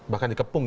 bahkan di kepung ya